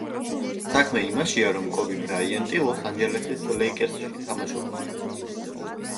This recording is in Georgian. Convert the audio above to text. საქმე იმაშია, რომ კობი ბრაიანტი „ლოს-ანჯელესის ლეიკერსში“ თამაშობდა.